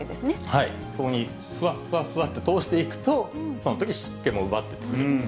ここにふわっふわって通していくと、そのとき湿気も奪ってくれる。